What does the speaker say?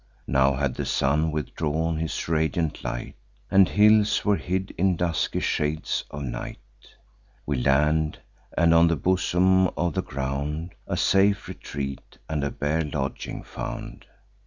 Now had the sun withdrawn his radiant light, And hills were hid in dusky shades of night: We land, and, on the bosom of the ground, A safe retreat and a bare lodging found.